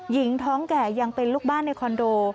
หญิงท้องแก่ยังเป็นลูกบ้านในคอนโด